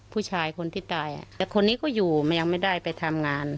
ผู้ชายคนที่ตายแต่คนนี้ก็อยู่มันยังไม่ได้ไปทำงาน